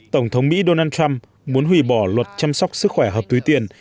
tổng thống mỹ donald trump muốn hủy bỏ luật chăm sóc sức khỏe hợp túi tiền